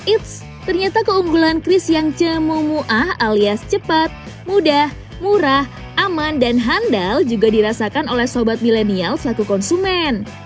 eits ternyata keunggulan chris yang cemomuah ⁇ alias cepat mudah murah aman dan handal juga dirasakan oleh sobat milenial selaku konsumen